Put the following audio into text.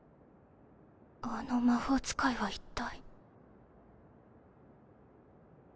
あの魔法使いは一体。